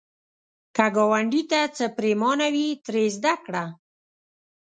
که ګاونډي ته څه پرېمانه وي، ترې زده کړه